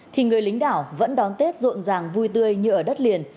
thì người lính đảo vẫn đón tết rộn ràng vui tươi như ở đất liền